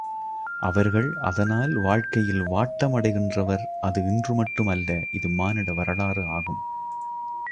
அவர்கள் அதனால் வாழ்க்கை யில் வாட்டம் அடைகின்றவர் அது இன்று மட்டும் அல்ல இது மானிட வரலாறு ஆகும்.